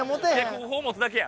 ここを持つだけや。